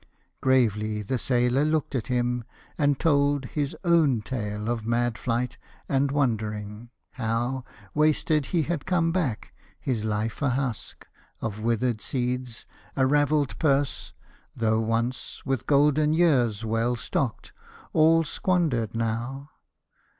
Gravely the sailor looked at him, and told His own tale of mad flight and wandering; how, Wasted he had come back, his life a husk Of withered seeds, a raveled purse, though once With golden years well stocked, all squandered now.